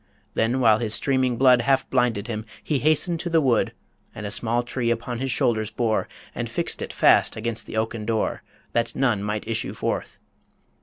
Then while his streaming blood Half blinded him, he hastened to the wood, And a small tree upon his shoulders bore, And fixed it fast against the oaken door, That none might issue forth.